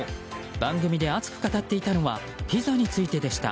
番組で熱く語っていたのはピザについてでした。